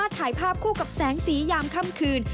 ให้เราสามารถถ่ายภาพคู่กับแสงสียามค่ำคืน